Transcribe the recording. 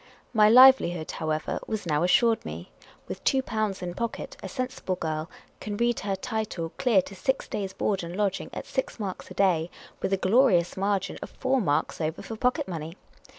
My livelihood, however, was now assured me. With two pounds in pocket, a sensible girl can read her title clear to 62 The Inquisitive American 63 six days' board and lodging, at six marks a day, with a glorious margin of four marks over for pocket money.